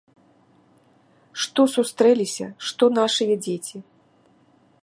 Што сустрэліся, што нашыя дзеці.